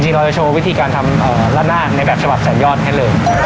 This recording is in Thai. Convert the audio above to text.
จริงเราจะโชว์วิธีการทำราดนาในแบบฉบับสัญญาณให้เลย